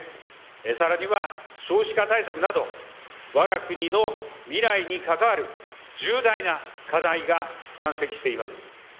更には少子化対策など我が国の未来に関わる重大な課題が山積しています。